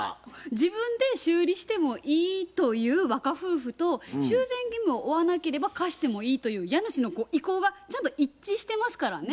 自分で修理してもいいという若夫婦と修繕義務を負わなければ貸してもいいという家主の意向がちゃんと一致してますからね。